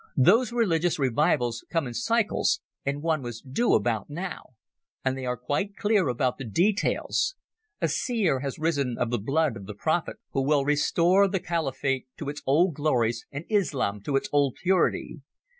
Those religious revivals come in cycles, and one was due about now. And they are quite clear about the details. A seer has arisen of the blood of the Prophet, who will restore the Khalifate to its old glories and Islam to its old purity.